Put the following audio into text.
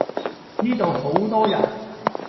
呢度好多人